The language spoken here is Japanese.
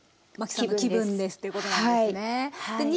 気分ですということなんですね。